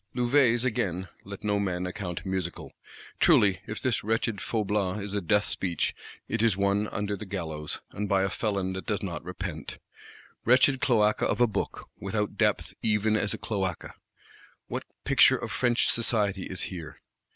Louvet's again, let no man account musical. Truly, if this wretched Faublas is a death speech, it is one under the gallows, and by a felon that does not repent. Wretched cloaca of a Book; without depth even as a cloaca! What "picture of French society" is here?